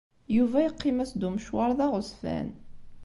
Yuba yeqqim-as-d umecwaṛ d aɣezfan.